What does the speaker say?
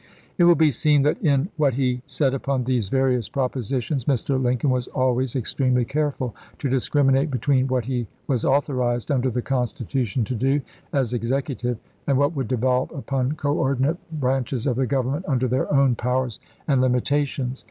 It will be seen that in what he said upon these various propositions Mr. Lincoln was always ex Feb. 3, 1865. tremely careful to discriminate between what he was authorized under the Constitution to do as Execu tive, and what would devolve upon coordinate branches of the Government under their own powers and limitations.